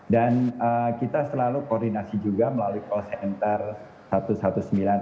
dan kita selalu koordinasi juga melalui call center satu ratus sembilan belas extension